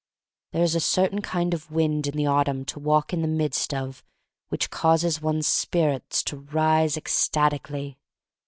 There is a certain kind of wind in the autumn to walk in the midst of which causes one's spirits to rise ecstatically.